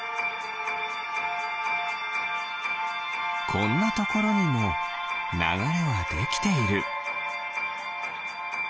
こんなところにもながれはできている。